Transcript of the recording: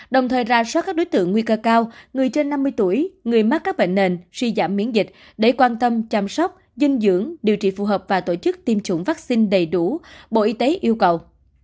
đồng thời ra soát các đối tượng nguy cơ cao người trên năm mươi tuổi người mắc các bệnh nền suy giảm miễn dịch để quan tâm chăm sóc dinh dưỡng điều trị phù hợp và tổ chức tiêm chủng vaccine đầy đủ bộ y tế yêu cầu